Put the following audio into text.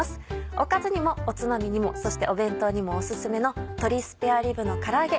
おかずにもおつまみにもそしてお弁当にもオススメの「鶏スペアリブのから揚げ」